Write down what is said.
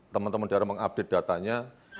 teman teman daerah mengupdate datanya